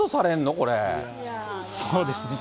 そうですね。